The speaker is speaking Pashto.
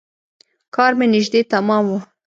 کار مې نژدې تمام و.